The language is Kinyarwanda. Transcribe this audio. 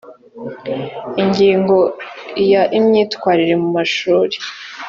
ingingo ya imyitwarire mu mashuri